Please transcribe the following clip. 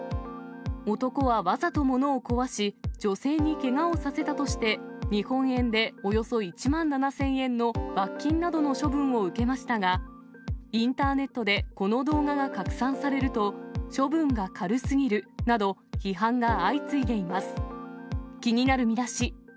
男はわざと物を壊し、女性にけがをさせたとして、日本円でおよそ１万７０００円の罰金などの処分を受けましたが、インターネットでこの動画が拡散されると、処分が軽すぎるなど、批判が相次いでいます。